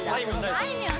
あいみょん